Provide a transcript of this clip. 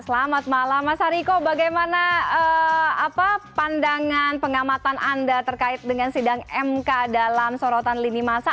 selamat malam mas hariko bagaimana pandangan pengamatan anda terkait dengan sidang mk dalam sorotan lini masa